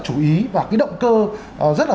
chú ý và cái động cơ rất là